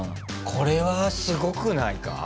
これはすごくないか？